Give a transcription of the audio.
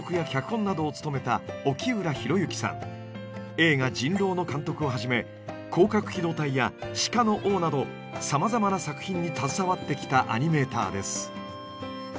映画「人狼」の監督をはじめ「攻殻機動隊」や「鹿の王」などさまざまな作品に携わってきたアニメーターです。